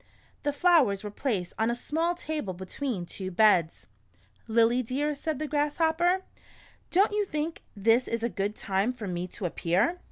The flowers were placed on a small table between two beds. "Lily dear," said the Grasshopper, "don't you think this is a good time for me to appear